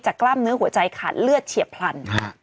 กล้ามเนื้อหัวใจขาดเลือดเฉียบพลัน